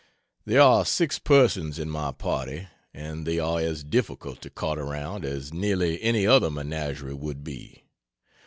There are six persons in my party, and they are as difficult to cart around as nearly any other menagerie would be.